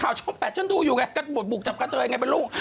ข่าวช่องแปดฉันดูอยู่ไงกัดบุกจับข้าเตอร์ยังไงเป็นลูก